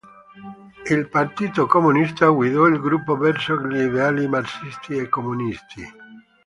Il partito comunista guidò il gruppo verso gli ideali marxisti e comunisti.